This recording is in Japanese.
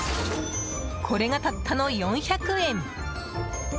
これが、たったの４００円！